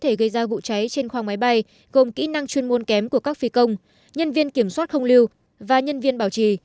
những nguyên nhân có thể gây ra vụ cháy trên khoang máy bay gồm kỹ năng chuyên môn kém của các phi công nhân viên kiểm soát không lưu và nhân viên bảo trì